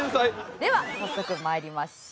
では早速参りましょう。